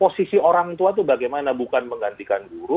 posisi orang tua itu bagaimana bukan menggantikan guru